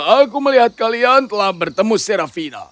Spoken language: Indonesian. aku melihat kalian telah bertemu serafina